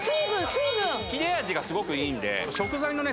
切れ味がすごくいいんで食材のね